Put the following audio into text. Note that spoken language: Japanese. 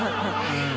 うん。